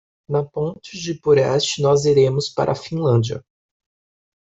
Na ponte do Purest nós iremos para a Finlândia.